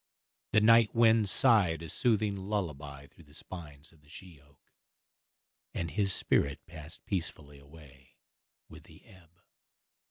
The night wind sighed a soothing lullaby through the spines of the she oak, and his spirit passed peacefully away with the ebb.